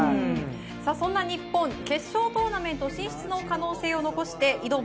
そんな日本、決勝トーナメント進出の可能性を残して挑む